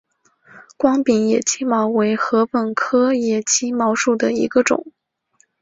光柄野青茅为禾本科野青茅属下的一个种。